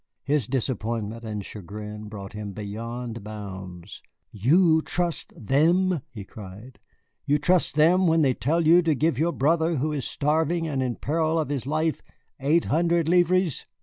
His disappointment and chagrin brought him beyond bounds. "You trust them!" he cried, "you trust them when they tell you to give your brother, who is starving and in peril of his life, eight hundred livres?